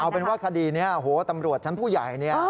เอาเป็นว่าคดีนี้โหตำรวจชั้นผู้ใหญ่เนี่ย